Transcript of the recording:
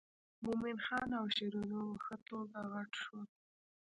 مومن خان او شیرینو په ښه توګه غټ شول.